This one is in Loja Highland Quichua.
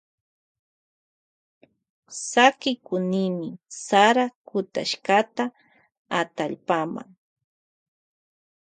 Sakikunimi sara kutashkata atallpama.